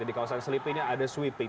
di kawasan selipi ini ada sweeping